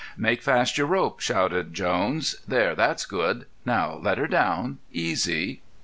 "Make fast your rope," shouted Jones. "There, that's good! Now let her down easy."